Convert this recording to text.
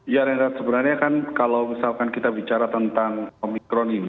ya renat seberanya kalau kita bicara tentang omicron ini